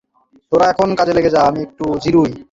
তোরা এখন কাজে লেগে যা, আমি একটু জিরুই।